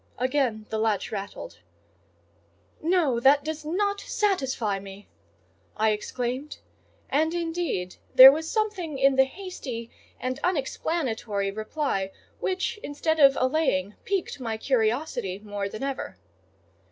Again the latch rattled. "No; that does not satisfy me!" I exclaimed: and indeed there was something in the hasty and unexplanatory reply which, instead of allaying, piqued my curiosity more than ever.